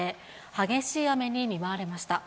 激しい雨に見舞われました。